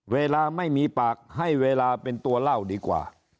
เวลาไม่มีปากให้เวลาเป็นตัวเล่าดีกว่า